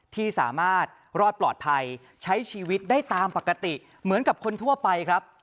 ที่สามารถรอดปลอดภัยใช้ชีวิตได้ตามปกติเหมือนกับคนทั่วไปครับ